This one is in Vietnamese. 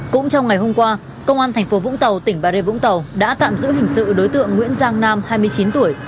cũng trong ngày hôm qua công an tp cà mau tỉnh bà rê vũng tàu đã tạm giữ hình sự đối tượng nguyễn giang nam hai mươi chín tuổi